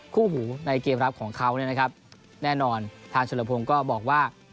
คู่หูในเกมรับของเขาแน่นอนทางเฉลิมพงษ์ก็บอกว่า